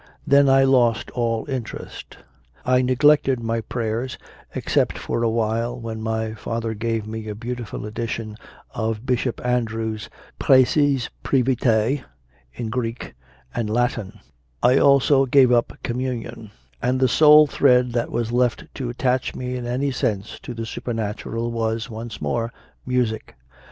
Then I lost all interest. I neglected my prayers, except for a while when my father gave me a beautiful edition of Bishop Andrews "Preces Privatae" in Greek and Latin; I almost gave up Communion; and the sole thread that was left to attach me in any sense to the supernatural was, once more, music.